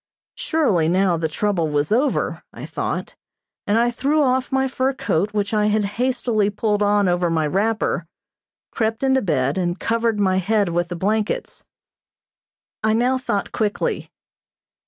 Surely now the trouble was over, I thought, and I threw off my fur coat which I had hastily pulled on over my wrapper, crept into bed and covered my head with the blankets. I now thought quickly.